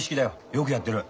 よくやってる。